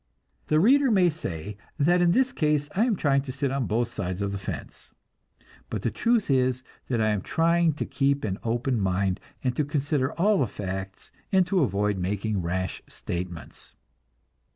The reader may say that in this case I am trying to sit on both sides of the fence; but the truth is that I am trying to keep an open mind, and to consider all the facts, and to avoid making rash statements.